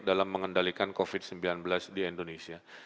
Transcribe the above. dalam mengendalikan covid sembilan belas di indonesia